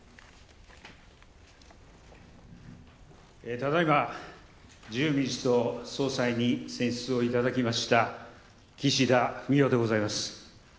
ただいま自由民主党総裁に選出をいただきました、岸田文雄でございます。